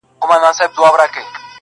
لس کلونه، سل کلونه، ډېر عمرونه!